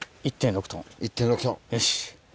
よし。